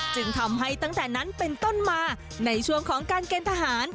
จึงทำให้ตั้งแต่นั้นเป็นต้นมาในช่วงของการเกณฑ์ทหาร